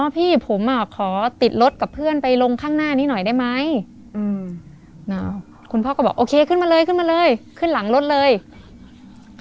มีอะไรจะไปไหนครับ